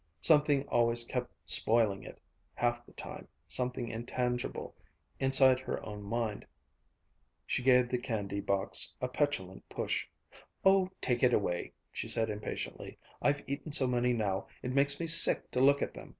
Something always kept spoiling it, half the time something intangible inside her own mind. She gave the candy box a petulant push. "Oh, take it away!" she said impatiently; "I've eaten so many now, it makes me sick to look at them!"